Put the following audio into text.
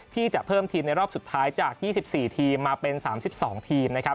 ที่จะเพิ่มทีมในรอบสุดท้ายจาก๒๔ทีมมาเป็น๓๒ทีมนะครับ